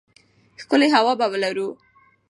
ښکلې هوا به ولرو.